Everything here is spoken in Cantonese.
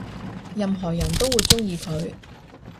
任何人都會鍾意佢